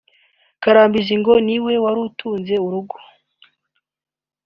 Karambizi ngo ni we wari utunze urugo